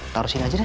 taruh sini aja deh